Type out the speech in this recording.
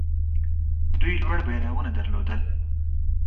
دوی لوړ بیرغونه درلودل